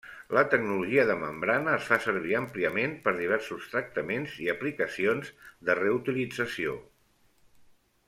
La tecnologia de membrana es fa servir àmpliament per diversos tractaments i aplicacions de reutilització.